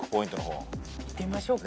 いってみましょうか。